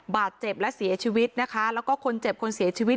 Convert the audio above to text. บาดเจ็บและเสียชีวิตนะคะแล้วก็คนเจ็บคนเสียชีวิต